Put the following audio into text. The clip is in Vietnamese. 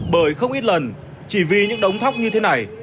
bởi không ít lần chỉ vì những đống thóc như thế này